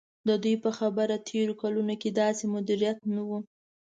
د دوی په خبره تېرو کلونو کې داسې مدیریت نه و.